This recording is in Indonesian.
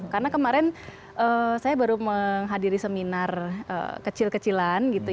karena kemarin saya baru menghadiri seminar kecil kecilan gitu